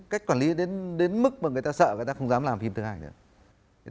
cách quản lý đến mức mà người ta sợ người ta không dám làm phim thứ hai nữa